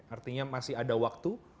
artinya masih ada waktu